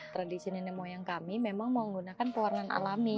tradisi nenek moyang kami memang menggunakan pewarnaan alami